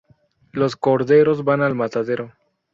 Los corderos van al matadero.